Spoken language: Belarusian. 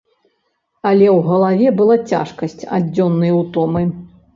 Але ў галаве была цяжкасць ад дзённай утомы.